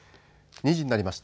２時になりました。